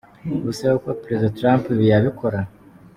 Ubu se koko President Trump ibi yabikora?